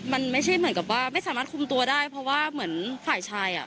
มันไม่ใช่เหมือนกับว่าไม่สามารถคุมตัวได้เพราะว่าเหมือนฝ่ายชายอ่ะ